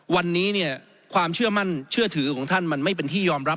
วันนี้เนี่ยความเชื่อมั่นเชื่อถือของท่านมันไม่เป็นที่ยอมรับ